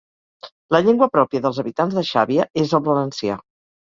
La llengua pròpia dels habitants de Xàbia és el valencià.